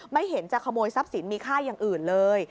ไม่เห็นจะขโมยทรัพย์สินมีค่าอย่างอื่นเลย